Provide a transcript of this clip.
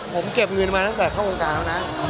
ผมเก็บเงินมาตั้งแต่เข้าวงการแล้วนะ